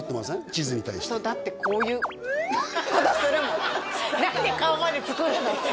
地図に対してだってこういうことするもん何で顔まで作るの？